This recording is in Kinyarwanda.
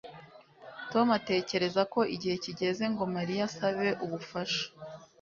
Tom atekereza ko igihe kigeze ngo Mariya asabe ubufasha